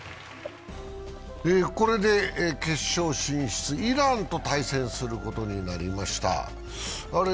これで決勝進出、イランと対戦することになりました。